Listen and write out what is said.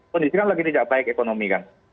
kondisi kan lagi tidak baik ekonomi kan